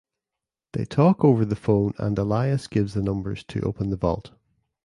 They talk over the phone and Elias gives the numbers to open the vault.